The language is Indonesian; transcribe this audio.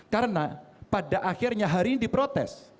karena pada akhirnya hari ini diprotes